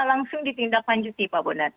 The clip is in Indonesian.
langsung ditindaklanjuti pak bondan